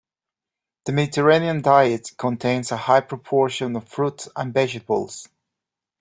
The Mediterranean diet contains a high proportion of fruits and vegetables.